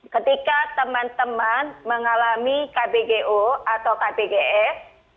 ketika teman teman mengalami kbgo atau kbgs